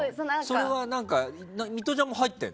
それはミトちゃんも入ってるの？